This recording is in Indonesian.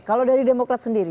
kalau dari demokrat sendiri